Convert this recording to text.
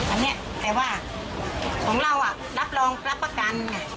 อันนี้แต่ว่าของเรารับรองรับประกันไง